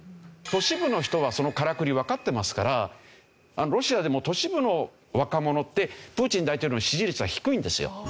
都市部の人はそのからくりわかってますからロシアでも都市部の若者ってプーチン大統領の支持率は低いんですよ。